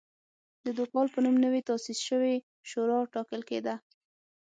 د دوکال په نوم نوې تاسیس شوې شورا ټاکل کېده.